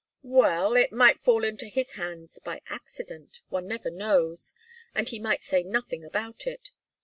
"Well it might fall into his hands by accident. One never knows. And he might say nothing about it.